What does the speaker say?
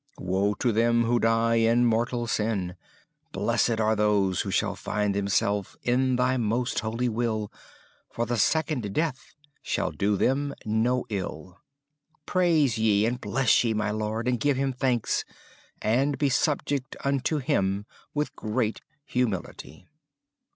Woe to them who die in mortal sin; Blessed those who shall find themselves in Thy most holy will, For the second death shall do them no ill. Praise ye and bless ye my Lord, and give Him thanks, And be subject unto Him with great humility."